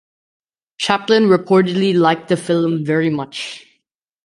Chaplin reportedly liked the film very much.